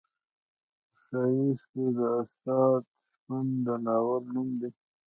ښایستو د استاد شپون د ناول نوم دی.